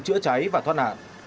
chữa cháy và thoát nạn